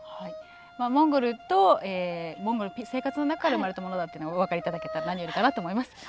モンゴルとモンゴルの生活の中で生まれたものだっていうのがお分かりいただけたら何よりかなと思います。